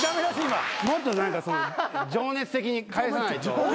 もっと情熱的に返さないと。